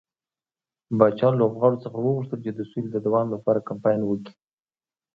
پاچا لوبغاړو څخه وغوښتل چې د سولې د دوام لپاره کمپاين وکړي.